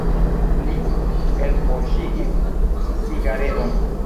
Li elpoŝigis cigaredon.